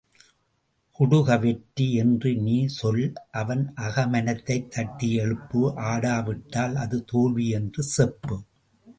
குடுக வெற்றி என்று நீ சொல் அவன் அகமனத்தைத் தட்டி எழுப்பு ஆடாவிட்டால் அது தோல்வி என்று செப்பு.